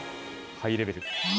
ハイレベル。